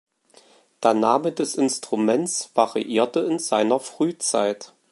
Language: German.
Der Name des Instruments variierte in seiner Frühzeit.